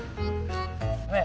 ねえ。